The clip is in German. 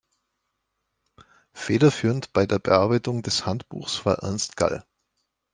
Federführend bei der Bearbeitung des Handbuchs war Ernst Gall.